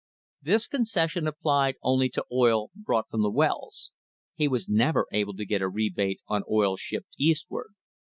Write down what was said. This concession applied only to oil brought from the wells. He was never able to get a rebate on oil shipped eastward.